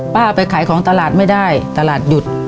ไปขายของตลาดไม่ได้ตลาดหยุด